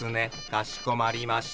かしこまりました。